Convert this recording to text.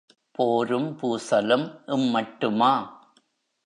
போரும் பூசலும் இம் மட்டுமா?